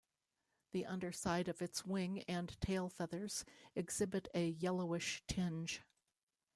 The underside of its wing and tail feathers exhibit a yellowish tinge.